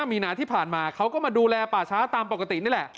มีนาที่ผ่านมาเขาก็มาดูแลป่าช้าตามปกตินี่แหละ